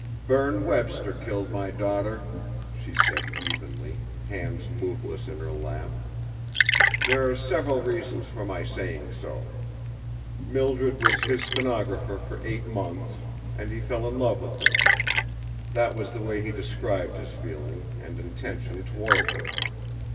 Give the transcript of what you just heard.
"Berne Webster killed my daughter," she said evenly, hands moveless in her lap. "There are several reasons for my saying so. Mildred was his stenographer for eight months, and he fell in love with her that was the way he described his feeling, and intention, toward her.